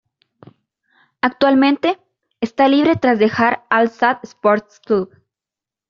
Actualmente, está libre tras dejar el Al-Sadd Sports Club.